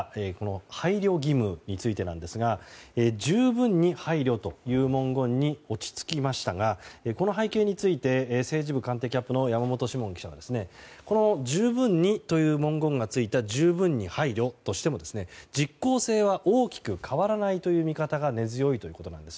配慮義務についてですが十分に配慮という文言に落ち着きましたがこの背景について政治部官邸キャップの山本志門記者が十分にという文言がついた十分に配慮としても実効性は大きく変わらないという見方が根強いということなんです。